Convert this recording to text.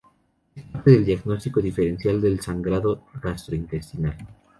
Es parte del diagnóstico diferencial del sangrado gastrointestinal.